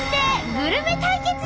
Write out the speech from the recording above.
グルメ対決！